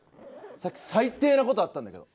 さっき最低なことあったんだけど。